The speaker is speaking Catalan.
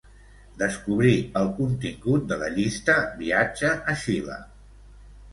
Descobrir el contingut de la llista "viatge a Xile".